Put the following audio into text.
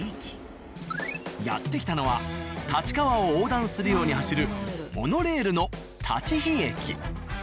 やって来たのは立川を横断するように走るモノレールの立飛駅。